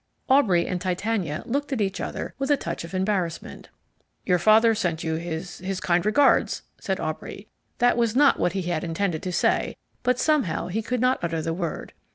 Aubrey and Titania looked at each other with a touch of embarrassment. "Your father sent you his his kind regards," said Aubrey. That was not what he had intended to say, but somehow he could not utter the word.